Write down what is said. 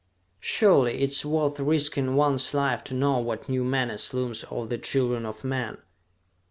"Surely it is worth risking one's life to know what new menace looms over the children of men!"